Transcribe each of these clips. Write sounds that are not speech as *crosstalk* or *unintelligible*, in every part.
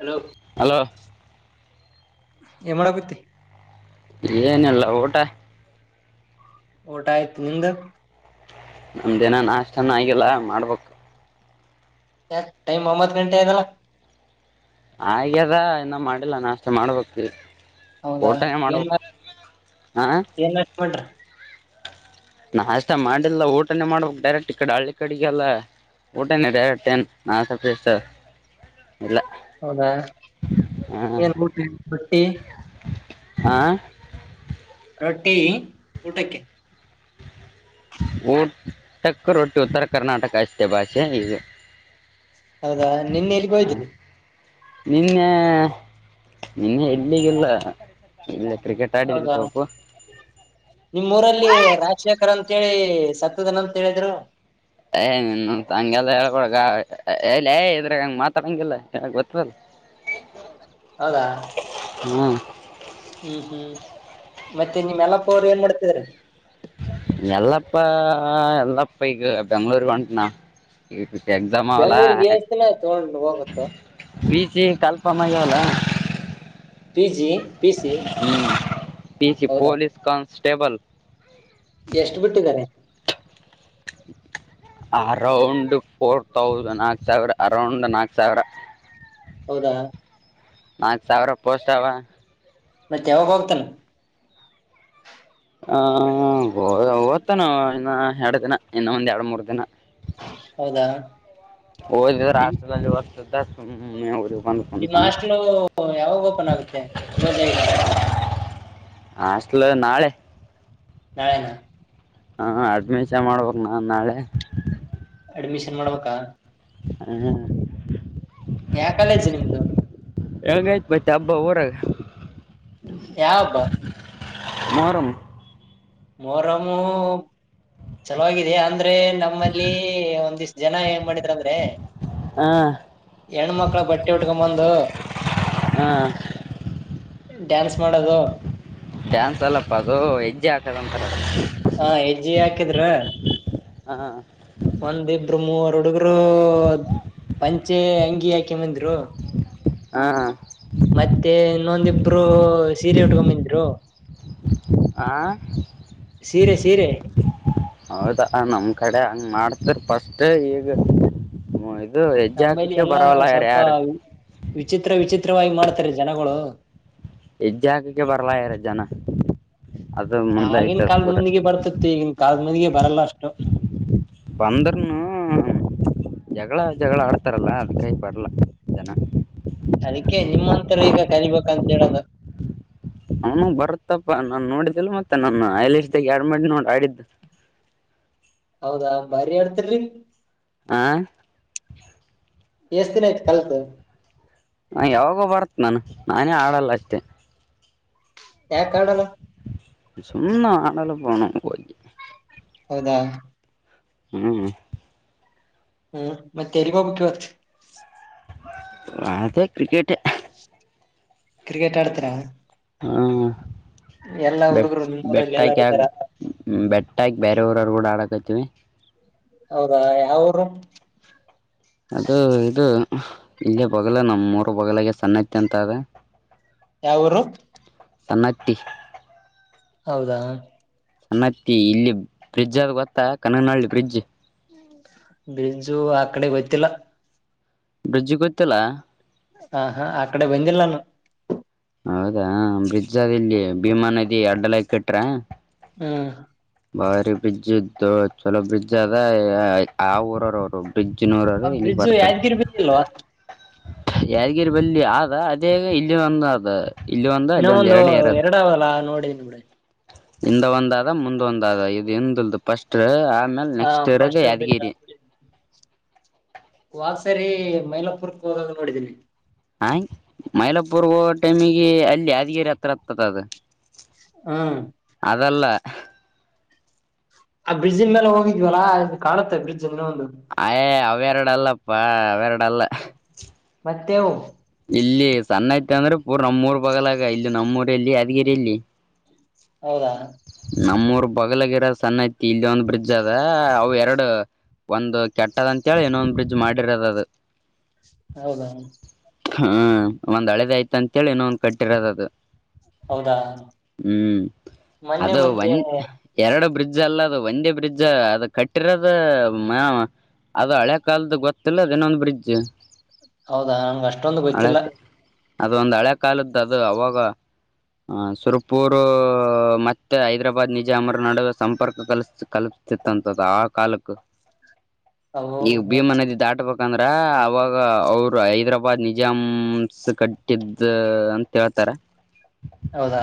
Hello hello ಏನ್ ಮಾಡಕತಿ ಏನಿಲ್ಲ ಊಟ ಊಟ ಆಯ್ತು ನಿಮ್ದ ನಮ್ ದಿನ ನಾಷ್ಟನ ಆಗಿಲ್ಲ ಮಾಡ್ಬಕ್ ಯ ಟೈಮ್ ಒಂಬತ್ ಗಂಟೆ ಆಗ್ಯಾದಲ್ಲ ಹಾಗ್ಯದ ಇನ್ನ ಮಾಡಿಲ್ಲ ನಾಷ್ಟ ಮಾಡ್ಬೇಕ ತಿರಿಗಿ ಹೌದಾ ಊಟ ನೆ ಮಾಡ್ಬೇಕ ಹ ಒಟ್ರ ನಾಷ್ಟ ಮಾಡಿಲ್ಲ ಊಟನೇ ಮಾಡ್ಬೇಕ ಡೈರೆಕ್ಟ್ ಈ ಕಡೆ ಹಳ್ಳಿ ಕಡೆಗೆಲ್ಲ ಊಟನೆ ಡೈರೆಕ್ಟ್ ಎನ್ ನಾಷ್ಟಾ ಪಿಸ್ಟಾ ಹೌದಾ ಹಾಂ ಏನ್ ಬಟ್ಟಿ ಹಾ ರೊಟ್ಟಿ ಊಟಕ್ಕೆ ಊಟಕ್ಕ ರೊಟ್ಟಿ ಉತ್ತರ ಕರ್ನಾಟಕ ಅಷ್ಟೇ ಭಾಷೆ ಈಗ ಹೌದಾ ನಿನ್ನೆ ಎಲ್ಲಿಗೆ ಹೋಗಿದ್ರಿ ನಿನ್ನೆ ನಿನ್ನೆ ಎಲ್ಲಿಗಿಲ್ಲ ಇಲ್ಲೆ ಕ್ರಿಕೆಟ್ ಆಡಿದ್ವಿ ಹೌದಾ ಸ್ವಲ್ಪ ನಿಮ್ ಊರಲ್ಲಿ ರಾಜಶೇಖರ್ ಅಂತೇಳಿ ಸತ್ತದ ನ ಅಂತ ಹೇಳಿದ್ರು ಏ್ ನಿನೌನ ಹಂಗೆಲ್ಲ ಹೇಳಬೇಡ ಗಾ ಎ ಲೆ ಇದ್ರ ಹಂಗ ಮಾತಾಡಂಗಿಲ್ಲ ಗೊತ್ತದಿಲ್ಲ *inaudible* ಹೌದಾ ಹ್ಮ್ ಹ್ಮ್ ಹ್ಮ್ ಮತ್ತೆ ನಿಮ್ ಯಲ್ಲಪ್ಪ ಅವರು ಏನ್ ಮಾಡ್ತಿದಾರೆ ಎಲ್ಲಪ್ಪ ಎಲ್ಲಪ್ಪ ಈಗ ಬೆಂಗಳೂರುಗ ಹೊಂಟನಾ ಎಕ್ಸಾಮ್ ಆಲ್ಲಾ ಬೆಂಗ್ಳೂರ್ಗೆ ಎಷ್ಟ ದಿನ ಆಯ್ತು ತಗೊಂಡ್ ಹೋಗುತ್ತೋ ಬಿ ಸಿ ಕಾನ್ಫಾಮ್ ಹಾಗ್ಯಾವಲ ಪಿ ಜಿ ಪಿ ಸಿ ಹ್ಮ್ ಪೀ ಸಿ ಹೌದಾ ಪೊಲೀಸ್ ಕಾನ್ಸ್ಟೇಬಲ್ ಎಷ್ಟ ಬಿಟ್ಟಿದ್ದಾರೆ *inaudible* ಅರೌಂಡ್ ಫೋರ್ ತೌಸ್ ನಾಲ್ಕು ಸಾವಿರ ಅರೌಂಡ್ ನಾಲ್ಕು ಸಾವಿರ ಹೌದಾ ನಾಕ್ ಸಾವಿರ ಪೋಸ್ಟ್ ಆವ ಮತ್ತೆ ಯಾವಾಗೋಗ್ತಾನ ಹ ಓದ್ತ ನಾ ಇನ್ನ ಎರಡ ದಿನ ಇನ್ನ ಒಂದ್ ಎರಡು ಮೂರ್ ದಿನ ಹೌದಾ ಓದಿದ್ರ ನಿಮ್ ಆಸ್ಟಲದಲ್ಲಿ ಇ ವರ್ಷ ಇದ್ದ ಸುಮ್ನೆ ಊರಿಗ ಬಂದ ಈಗ ಹಾಸ್ಟಲ್ಲು ಯಾವಾಗ ಓಪನ್ ಆಗುತ್ತೆ ಕ್ಲೋಸ್ ಆಗಿದಂತೆ ಹಾಸ್ಟೆಲ್ ನಾಳೆ ನಾಳೆನಾ? ಹಾ ಅಡ್ಮಿಷನ್ ಮಾಡ್ಬೇಕು ನಾನು ನಾಳೆ ಅಡ್ಮಿಷನ್ ಮಾಡ್ಬೇಕಾ? ಹಾ ಯಾ ಕಾಲೇಜು ನಿಮ್ದು? ಯಾವಗ ಐತಿ ಮತ್ತೆ ಹಬ್ಬ ಊರಾಗ? ಯಾವ ಹಬ್ಬ? ಮೊಹರಂ. ಮೊಹರಂ ಚಲವಾಗಿದೆ ಅಂದ್ರೆ ನಮ್ಮ ನಮ್ಮಲ್ಲಿ ಒಂದಿಷ್ಟ್ ಜನ ಏನ್ ಮಾಡಿದ್ರ ಅಂದ್ರೆ. ಹಾ ಹೆಣ್ ಮಕ್ಳ ಬಟ್ಟೆ ಉಟ್ಕೊ ಬಂದು ಹಾ.. ಡ್ಯಾನ್ಸ್ ಮಾಡೋದು. ಡ್ಯಾನ್ಸ್ ಅಲ್ಲಪ್ಪ ಅದು ಹೆಜ್ಜೆ ಹಾಕದಂತಾರ ಹಾ ಹೆಜ್ಜೆ ಹಾಕಿದ್ರ. ಹ ಹಾ ಒಂದಿಬ್ರು ಮೂವರ್ ಹುಡುಗ್ರು ಪಂಚೆ ಅಂಗಿ ಹಾಕಿ ಮಂದರು ಹಾ ಮತ್ತೆ ಇನ್ನೊಂದಿಬ್ರು ಸೀರೆ ಉಟ್ಕೊ ಬಂದ್ರು. ಹಾ.. ಸೀರೆ ಸೀರೆ. ಹೌದಾ ನಮ್ ಕಡೆ ಹಂಗ್ ಮಾಡ್ತರಿ ಫಸ್ಟ್ ಈಗ ಹ್ಮ ಇದು ನಮ್ಮಲ್ಲಿ ಹೆಜ್ಜಾಕಕ್ಕೆ ಎಲ್ಲಾ ಬರಲ್ಲ ಯಾವ್ರ್ ಯಾರ ಸ್ವಲ್ಪ ವಿಚಿತ್ರ ವಿಚಿತ್ರವಾಗಿ ಮಾಡ್ತಾರೆ ಜನಗಳು. ಹೆಜ್ಜಾಗಕ್ಕೆ ಬರ್ಲಾ ಇರ ಜನ ಅದು ಮುಂದೆ ಆಗನ್ ಐತದ ಕಾಲದ ಪೂರ ಮುಂದಿಗೆ ಬರ್ತತಿತ್ತು ಈಗನ್ ಕಾಲದ ಮುಂದಿಗೆ ಬರಲ್ಲ ಅಷ್ಟು ಬಂದರ್ನು ಜಗಳ ಜಗಳ ಆಡ್ತಾರಲ್ಲ ಅದ್ಕ್ ಆಗಿ ಬರ್ಲ್ಲ ಜನ ಅದಕ್ಕೆ ನಿಮ್ಮಂತರು ಈಗ ಕಲಿಬೇಕಂತ ಹೇಳದು ಅವನು ಬರುತ್ತಪ್ಪಾ ನಾನ್ ನೋಡಿದ್ದಲ್ ಮತ್ತೆ ನನ್ನ ಆ ಐಲಷ್ದಾಗ ಎರಡು ಮಾಡಿ ನೋಡ್ ಆಡಿದ್ದು ಹೌದಾ ಬಾರಿ ಹೇಳ್ತಲ್ರಿ ಆ... ಎಷ್ಟ ದಿನ ಆಯ್ತು ಕಲ್ತ್ತು ಹ ಯಾವಾಗೋ ಬರತ್ ನಾನು ನಾನೇ ಆಡಲ್ಲ ಅಷ್ಟೇ ಯಕ್ ಅಡಲ್ಲ? ಸುಮ್ಮ ಆಡಲ್ಲ ಪಣ ಹೌದಾ? ಹ್ಮ್ ಹ್ಮ್ ಮತ್ತೆ ಎಲ್ಲಿಗ್ ಹೋಗ್ಬೇಕು ಇವತ್ತು ಆತ್ತ ಕ್ರಿಕೆಟ್ ಕ್ರಿಕೆಟ್ ಆಡ್ತಾರಾ. ಹ್ಮ ಎಲ್ಲಾ ಬೆ ಹುಡುಗರು ನಿಮ್ಮೂರಲ್ಲಿ ಬೆಾ ಕ ಎಲ್ಲಾರು ಇದ್ದಾರ *unintelligible* ಹ್ಮ ಬೆಟ್ಟ ಆಗಿ ಬೇರೆಯವರರು ಕೂಡ ಆಡಕತಿವಿ ಹೌದಾ ಯಾವ ಊರು ಅದು ಇದು ಇಲ್ಲೇ ಬೋಗಲ ನಮ್ ಮೂರು ಬಗಲಾಗ ಸಣ್ಣತ್ತ ಅಂತ ಅದ ಯಾವುರು ಸನತಿ ಹೌದಾ ನನ್ನತ್ತಿ ಇಲ್ಲಿ ಫ್ರಿಡ್ಜ್ ಆದ ಗೊತ್ತಾ ಕನನಹಳ್ಳಿ ಫ್ರಿಡ್ಜ್ ಬಜು ಆ ಕಡೆ ಗೊತ್ತಿಲ್ಲ ಬ್ರಿಡ್ಜ್ ಗೋ್ಲ್ಲಾ ಹ ಹಾ ಅಕಡೆ ಬಂದಿಲ್ಲ ನಾನು ಹೌದಾ ಬ್ರಿಜಜಾದ ಇಲ್ಲಿ ಭೀಮಾ ನದಿ ಅಡ್ಡಲ ಕೆಟ್ರ ಹ್ಮ್ ಬಾರಿ ಬ್ರಿಡ್ಜ್ ಇದ್ದತ್ತು ಚಲೋ ಬ್ರಿಡ್ಜ್ ಅದ ಆ ಊರವರ ಅವರು ಪಿಚ್ಚಿನ ಆ ನೂರಾರು ಇಲ್ಲಿ ಬ್ರಿಡ್ಜು ಬರ್ತಾರೆ ಯಾದಗಿರಿ ಬಿದ್ದಿಲ್ವಾ ಯಾದಗಿರಿ ಬಲ್ಲಿಿ ಆದ ಅದೇಗ ಇಲ್ಲಿ ಒಂದ ಅ ಇಲ್ಲ ಒಂದು ಅಲ್ಲಿ ಒಂದ ಎರಡು ಇರತ್ತ ನಗ್ತಾವಲ್ಲ ನೋಡಿ ಇಿಂದ ಒಂದಾದ ಮುಂದ ಒಂದ ಆದ ಇದು ಎಂದ ಇಲ್ದು ಫಸ್ಟ್ ಆಮೇಲೆ ಹಾ ನೆಕ್ಸ್ಟ್ ಇರೋದು ಫಸ್ಟ್ ಯಾದಗಿರಿ ಬ್ರಿಡ್ಜ್ ವಾಗಸರಿ ಮೈಲಪುರ್ಕ್ ಹೋೋಗದ ನೋಡಿದೀಿ ಹಾ ಮೈಲಾಪುರ್ ಹೋಗ ಟೈಮಿಗೆ ಅಲ್ಲಿ ಯಾದಗೇರಿ ಹತ್ರ ಆಗ್ತದ ಅದು ಹಾ ಅದಲ್ಲ ಆ ಬ್ರಿಡ್ಜಿನ ಮೇಲೆ ಹೋಗಿದ್ವಲ್ಲ ಅದು ಕಾಣುತ್ತೆ ಬ್ರಿಡ್ಜ್ ಇನ್ನೊಂದು ಅವೇರೆಡ ಇಲ್ಲಪ್ಪ ಅವೇಾರಡ ಇಲ್ಲ ಮತ್ತೆ ಯಾವ ಇಲ್ಲಿ ಸಣ್ಣ ಐತೆ ಅಂದ್ರೆ ಪೂರ್ ನಮ್ಮೂಊರ್ ಬಗಲಗ ಇಲ್ಲಿ ನಮ್ಮೂಲ್ಲಿ ಯಾದಗಿರಿಯಲ್ಲಿ ಹೌದಾ ನಮ್ಮೂರ್ ಬಲಗಿರ ಸಣ್ಣ ಐತಿ ಇಲ್ಲಿ ಒಂದ್ ಬ್ರಿಡ್ಜ್ ಅದ ಅವವು ಎರಡು ಒಂದು್ ಕೆಟ್ಟದ ಅಂತೇಳಿ ಇನೊಂದ್ ಬ್ರಿಡ್ಜ್ ಮಾಡಿರೋದ ಅದು ಹೌದಾ ಹ್ಮ ಒಂದ್ ಹಳದ ಆಯ್ತ ಅಂತೇಳಿ ಇನ್ನೊ ಒಂದ್ ಕಟ್ಟಿರೋದ ಅದು ಹೌದಾ ಹ್ಮ್ ಮೊನ್ನೆ ಅದು ಮತ್ತೆ ಒನ್ ಎರಡು ಬ್ರಿಡ್ಜ್ ಅಲ್ಲ ಅದು ಒಂದೇ ಬ್ರಿಡ್ಜ್ ಅದು ಕಟ್ಟಿರೋದ ಅದು ಹಳೆ ಕಾಲದ ಗೊತ್ತಿಲ್ಲದ ಇನ್ನೊಂದು ಬ್ರಿಡ್ಜ್ ಹೌದಾ ನಂ ಅಷ್ಟೊಂದು ಗೊತ್ತಿಲ್ಲ ಅದೊಂದು್ ಹಳೆ ಕಾಲದ್ದು ಅದು ಅವಾಗ ಸುರಪೂರು ಮತ್ತೆ ಹೈದರಾಬಾದ್ ನಿಜ ಅರ ನಡುವ ಸಂಪರ್ಕ ಕಲ್ ಕಲ್ಪತಿತ್ತಂತ ಆ ಕಾಲಕ್ಕ ಅವು ಈಗ ಹೌದಾ ಭೀಮನದಿ ದಾಟಬ ಯಾಕಂದ್ರ ಅವಾಗ ಅವರು ಹೈದ್ರಾಬಾದ್ ನಿಜಾಮಸ್ ಕಟ್ಟಿದ ಅಂತ ಹೇಳ್ತಾರ *inaudible* ಹೌದಾ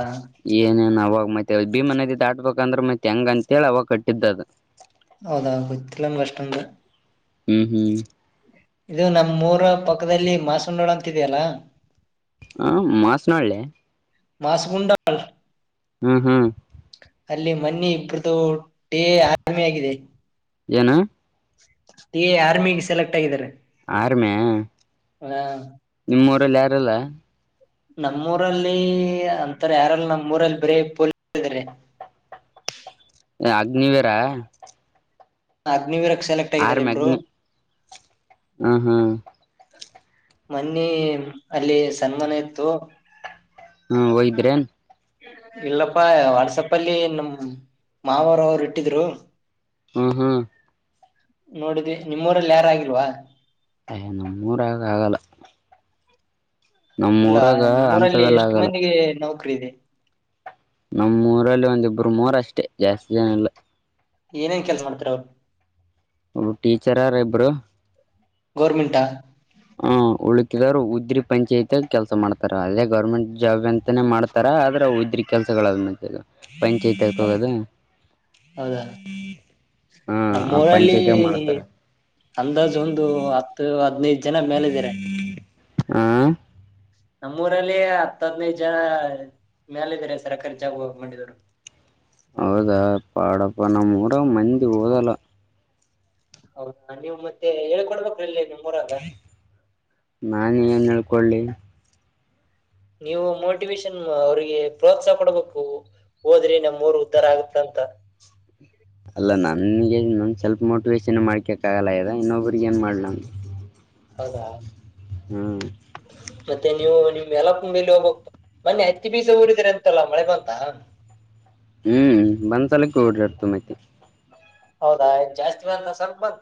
ಏನೇನ್ ಅವಾಗ ಮತ್ತೆ ಭೀ ಮನೆದ ಆಾಟ್ಬೇಕಂದ್ರ ಮತ್ತತ್ ಹೆಂಗ ಅಂತೇಳಿ ಅವಾಗ ಕಟ್ಟಿದ್ದದ ಹೌದಾ ಗತ್ತಿಲ್ಲಂದ ಅಷ್ಟೊಂದು ಹು ಹು ಇದು ನಮ್ಮ್ ಮೂರ ಪಕ್ಕದಲ್ಲಿ ಮಾಸುಂಡೋಳ ಅಂತಿದೆಯಲ್ಲಾ ಹಂ ಮಾಸನಾಳಳ್ಳೆ ಮಾಸಗುಂಡಲ್ ಹ್ಮ್ ಹ್ಮ್ ಅಲ್ಲಿ ಮನಿ ಇಬ್ರ್ದು ಟೇ ಆಮಿ ಆಗಿದೆ ಏನು ಟಿ ಆರ್ಮಿಗೆ ಸೆಲೆಕ್ಟ್ ಆಗಿದ್ದಾರೆ ಆರ್ಮೆ ಹಾ ನಿಮ್ಮ್ ಊರಲ್ಲಿ ಯಾರಲ್ಲ ನಮ್ಮೂಊರಲ್ಲಿ ಅಂತರ ಯಾರಲ್ಲ ನಮ್ಮ್ ಊರಲ್ಲಿ ಬರೀ ಫುಲ್ ಇದ್ದಾರೆ ಅಗ್ನಿವೇರಾ ಅಗ್ನಿವಿರಗ ಸೆಲೆಕ್ಟ್ ಆಗಿದ್ದಾರೆ ಆರಮ ಇಬ್ರು ಅಗ್ನಿ ಹ್ಮ್ ಹ್ಮ್ ಮನ್ನಿ ಅಲ್ಲಿ ಸನ್ಮಾನ ಇತ್ತು ಹು ಹೋಗಿದ್ದರೇನು ಇಲ್ಲಪ್ಪಾ ವಾಟ್ಸಪ ಅಲ್ಲಿ ನಮ್ಮ ಮಾವರು ಅವರು ಇಟ್ಟಿದ್ರು ಹ್ಮ್ ಹ್ಮ ನೋಡಿದೆ ನಿಮ್ಮೂರಲ್ಲಿ ಯಾರ ಆಗಿಲ್ವಾ ಅಯ್ಯ ನಮ್ಮೂರ ಆಗ ಆಗಲ್ಲ ಇಲ್ಲ ನಮ್ಮೂರಾಗ ನಮ್ಮ ಊರಲ್ಲಿ ಅಂತವೆಲ್ಲ ಎಷ್ಟು ಆಗಲ್ಲ ಮಂದಿಗೆ ನೌಕರಿ ಇದೆ ನಮ್ಮ್ೂಊರಲ್ಲಿ ಒಂದಿಬ್ಬರು ಮೂರ ಅಷ್ಟೇ ಜಾಸ್ತಿ ಜನ ಎಲ್ಲ ಏನೇನ್ ಕೆಲಸ ಮಾಡ್ತಾರೆ ಅವರು ಹ್ ಟೀಚರ ಹರ ಇಬ್ಬರು ಗೋರ್ಮೆಂಟಾ ಹ್ಮ ಉಳಕಿದವರು ಉದ್ರಿ ಪಂಚಾಯತಿ ಕೆಲ್ಸ ಮಾಡ್ತಾರ ಅದೇ ಗೌರ್ಮೆಂಟ್ ಜಾಬ್ ಎಂತಾನೇ ಮಾಡ್ತ ತರ ಅದ್ರ ಒದ್ರಿ ಕೆಲಸಗಳಾದ ಪಂಚಾಯತಿ ಆ ತಗೋದು *unintelligible* ಹಾ ನಮ್ಮ ಆ ಊರಲ್ಲಿ ಪಂಚಾಯತಿಯಾಗ ಮಾಡ್ತಾರ ಅಂದಾಜು ಒಂದು ಇದು ಹತ್ತು ಹದನೈದು ಜನ ಮೇಲ ಇದಿದ್ದಾರೆ ಹ ನಮ್ಮೂಊರಲ್ಲಿ ಹತ್ತದ್ನೈದು ಜನ ಮೇಾಲ ಇದಾರೆ ಸರ ಖರ್ಚಾಗಿ ಹೋಗ್ ಮಾಡಿದ್ರು ಹೌದಾ ಪಾಡಪ್ಪ ನ ಮೂಡಾಗ ಮಂದಿಗ್ ಹಓದಲ್ಲ ಹೌದಾ ಅದೆವ್ ನೀವು ಮತ್ತೆ ಹೇಳ್ಕೊಡ್ಬೇಕ್ರಲ್ಲೇ ನಾನ ಏನ್ ಹೇಳ್ಕೊಳ್ಳಿ ನೀವು ಮೋಟಿವೇಶನ್ ಅವ್ರಿಗೆ ಪ್ರೋತ್ಸಾಹ ಕೊಡಬೇಕು ಹೋದ್ರಿ ನಮ ಅವ್ರು ಉಧಾರ ಆಗುತ್ತೆ ಅಂತ ಅಲ್ಲ ನನ್ಗೆ ನ ಸೆಲ್ಪ್ ಮೋಟಿವೆಶನ್ ಮಾಡ್ಕಕ್ಾಗಲ್ಲ ಇದ ಇನ್ನೊಬ್ರಗ ಏನ್ ಮಾಡ್ಲ ಹೌದಾ ಹ್ಮ್ ಮತ್ತೆ ನೀವು ನಿಮ್ ಎಲ್ಲ ಕುಂಬಲಿ ಹೋಗೋಗ್ತ ಮನ್ನೆ ಹತ್ತಿ ಬೀಸ ಊರಿದ್ರ ಅಂತಲ್ಲ ಮಳೆ ಬಂತ ಹ್ಮ್ ಬಂದ್ಸಲಕ್ಕೆ ಓಡಡ್ತು ಮೈತ್ತ ಹೌದಾ ಜಾಸ್ತಿ ಬಂತ ಸ್ವಲ್ಪ ಬಂತ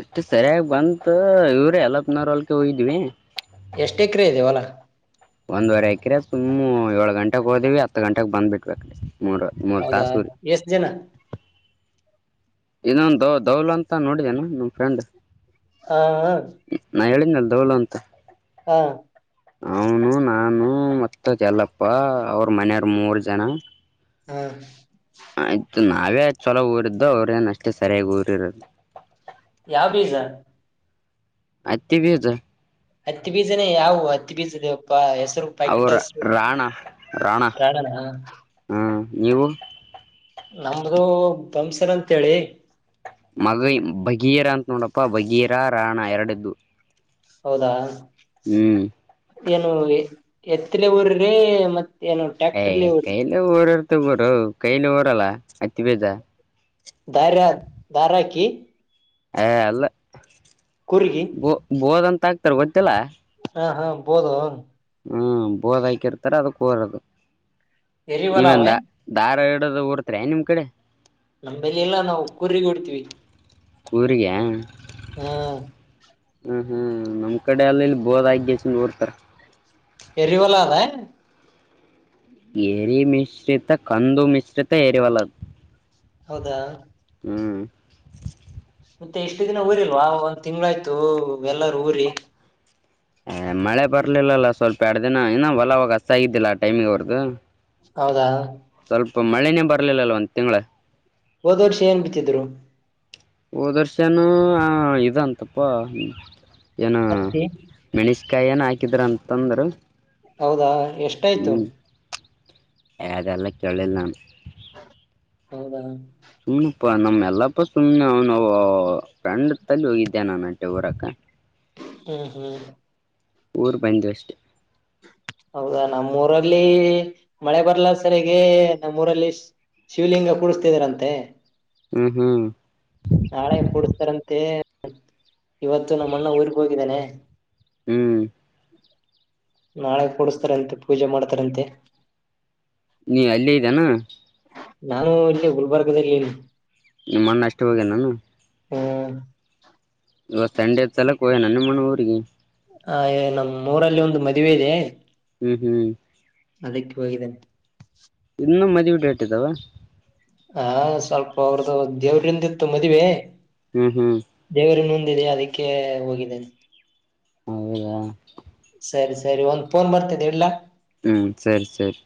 ಅಷ್ಟ ಸರಿಯಾಗಿ ಬಂತ ಇವ್ರ ಎಲ್ಪ್ನೂರ ಹೋಲಕ್ ಹೋಗಿದ್ವಿ ಎಷ್ಟು ಎಕರೆ ಇದೆ ಹೊಲಾ ಒಂದ್ುವರೆ ಹಾಕಿರ ಸು್ ಏಳು ಗಂಟೆಗೆ ಹೋದಿವವಿ ಹತ್ತು ಗಂಟೆಗೆ ಬಂದ್ಬ ಬಿಡ್ಬೇಕೀ ಮೂರ್ವರೆ ಹೌದಾ ಎಷ್ಟ ಜನ ಇನ್ನೊಂದು ದ ದೌಲ್ ಅಂತ ನೋಡಿದೇನೆ ನಮ್ ಫ್ರೆಂಡ್ ಹಾ ನಾ ಹೇಳಿದ ಅಲ್ ದೋಳು ಅಂತ ಹಾ ಅವನು ನಾನು ಮತ್ತ ಎಲ್ಲಪ್ಪ ಅವ್ರ ಮನೆಯವರ್ ಮೂರ್ ಜನ ಹ್ಮ ಆಯ್ತು ನಾವೇ ಚೊಲೋ ಊರಿದ್ದು ಅವ್ರೇನ್ ಅಷ್ಟೇ ಸರಿಯಾಗಿ ಊರಿರದು ಯಾವ ಬೀಜ ಆತ್ತೆ ಬಿತ ಹತ್ತಿ ಬೀಜನೇ ಯಾವವು ಹತ್ತಿ ಬೀಜದವಪ್ಪಾ ಹೆಸರು ಪ್ಯಾಕೆಟ್ ಅವರ ಹಸರು ರಾಣ ರಾಣ ಹ್ಮ ನೀವು ನಮ್ದು ಬಂಸರ್ಂತೇಳಿ ಮಗೈ ಭಗೀರ ಅಂತ ನೋಡಪ್ಪ ಭಗೀರ ರಾಣ ಎರಡದ್ದು ಹೌದಾ ಹ್ಮ್ ಏನು ಎತ್ತಲೆ ಊರ್ರೀ ಮ ಯ್ ಕೈಲ ಊರರ್ ತಗೋರು ಕೈಲಿ ೋರಲ್ಲ ಅತಿ ಬೇಜ ದಾರ ದಾರಾಕಿ ಹ ಅಲ್ಲ ಕುರುಗ ಬ ಬೋದಂತ ಆಗ್ತಾರೆ ಗೊತ್ತಿಲ್ಲ ಹಾ ಹಾ ಬೋದು ಹ್ಮ್ ಬೋದ ಹಾಕಿರ್ತಾರ ಅದಕ್ಕೆ ಹೋರದು ಎರಿವಲ ನೀವೆಂದ ಅವೆ ದಧಾರ ಇಡೋ ರ್ತ ನಿಮ್ಮ್ ಕಡೆ ನಂಬಲ್ಲಿ ಎಲ್ಲಾ ನಾವು ಕು್ರಿಗೆ ಕೊಡ್ತಿೀವಿ ಕೂರಿರಿಗೆ ಹ್ಮ ಹ್ಮ್ ಹ್ಮ್ ನಮ್ಮ್ ಕಡೆ ಅಲ್ಲ ಇಲ್ಲಿ ಬೋದ ಆಾಗಸ ನೋಡ್ತಾರೆ ಎರಿವಲ ಅದಾ ಎರಿ ಮಿಶ್ರಿತ ಕಂದು ಮಿಶ್ರಿತ ಎರಿವಲದ ಹೌದಾ ಹ್ಮ್ ಮತ್ತೆ ಎಷ್ಟು ದಿನ ಊರಿಲ್ವಾ ಒಂದ್ ತಿಂಗಳಾಯ್ತು ಎಲ್ಲರೂ ಊರಿ ಹ ಹ ಮಳೆ ಬರ್ಲಿಲ್ಲಲ್ಲ ಸ್ವಲ್ಪ ಎರಡು ದಿನ ಇನ್ನ ಹೊಲವಾಗ ಹಸತ ಆಗಿದ್ದಿಲ್ಲ ಟೈಮಿ್ ಅವರ್ದು ಹೌದಾ ಸ್ವಲ್ಪ ಮಳೆನೇ ಬರ್ಲಿಲ್ಲ ಒಂದ್ ತಿಂಗಳ ಹೋದ ವರ್ಷ ಏನ್ ಬಿತ್ತಿದ್ರು ಓದರ್ಶನ ಇದಂತಪ್ಪ ಏನ ಹತ್ತಿ ಮೆಣಸಕಾಯಿ ಏನ್ ಹಾಕಿದ್ರ ಅಂತಂದ್ರ ಹೌದಾ ಎಷ್ಟಾಯ್ತು ಯದೆಲ್ಲ ಕೇಳಿಲ್ಲ ಹೌದಾ ಹ್ಞೂನಪ್ಪ ಸುಮ್ಮ್ ನಮ್ಮ ಎಲ್ಲಪ್ಪ ಸುಮ್ನೆ ನ ನಾವು ಫಂಡ್ ತಲ್ಲಿ ಹೋಗಿದ್ದೆ ನಾನುಂಟೆ ಹಊರಕ ಹ್ಮ್ ಹ್ಮ್ ಊರು ಬಂದ ಅಷ್ಟೆ. ಹೌದಾ ನಮ್ಮೂರಲ್ಲಿ ಮಳೆ ಬರ್ಲ ಸರ್ಗೆ ನಮ್ಮೂರಲ್ಲಿ ಶಿವಲಿಂಗ ಕುಡಿಸಸ್ತಿದ್ರಂತೆ. ಹ್ಮ್ ಹ್ಮ್ ನಾಳೆ ಕೂಡಸ್ತಾರಂತೆ. ಇವತ್ತು ನಮ್ಮ ಅಣ್ಣ ಊರ್ಗ್ ಹೋಗಿದ್ದೇನೆ. ಹ್ಮ್ ನಾಳೆ ಕೂಡಿಸಸ್ತಾರಂತೆ. ಪೂಜೆ ಮಾಡ್ತಾರಂತೆ ನೀ ಅಲ್ಲೇ ಇದ್ದಾನ ನಾನು ಇಲ್ಲಿ ಗುಲ್ಬರ್ಗದಲ್ಲಿ. ನಿಮಣ್ಣ ಅಷ್ಟು ಹೋಗೇನು ನಾನು ಹ್ಮ್ ಇವ ಸಂಡೆದ ಸಲಕಕ್ಕೆ ನನ್ನಮ್ಮ್ಣಊರಿಗೆ ಹ ನಮ್ ಊರಲ್ಲಿ ಒಂದು ಮದುವೆ ಇದೆ ಹ್ಮ್ ಹ್ಮ್ ಅದಕ್ಕೆ ಹೋಗಿದ್ದಂತೆ. ಇನ್ನುೂ ಮದ್ವೇ ಡೇಟ್ ಇದಾವ ಹಾ ಸ್ವಲ್ಪ ಅವ್ರದ್ದು ದೇವ್ರಿಂದಿತ್ತು ಮದ್ವೆ ಹ್ಮ್ ಹ್ಮ್ ದೇವರು ಮುಂದಿದೆ ಅದಕ್ಕೆ ಹೋಗಿದ್ದೇನೆ ಹೌದಾ ಸರಿ ಸರಿ ಒಂದ್ ಫೋನ್ ಬರ್ತೇದೆ ಇಡ್ಲಾ. ಹ್ಮ್ ಸರಿ ಸರಿ